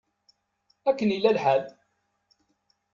Akken i yella lḥal?